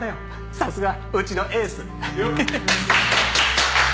さすがうちのエース！